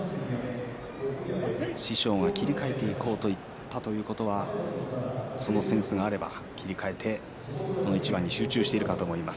師匠が切り替えていこうと言ったということはそのセンスがあれば切り替えてこの一番に集中しているかと思います。